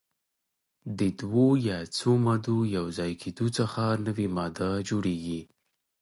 د دوه یا څو مادو یو ځای کیدو څخه نوې ماده جوړیږي.